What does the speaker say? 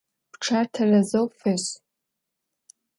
Пчъэр тэрэзэу фэшӀ!